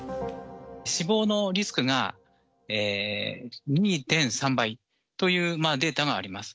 死亡のリスクが２．３倍というデータがあります。